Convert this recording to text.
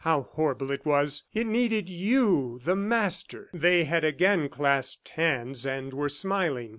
How horrible it was! ... It needed you, the Master!" They had again clasped hands and were smiling.